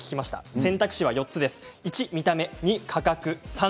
選択肢は４つです。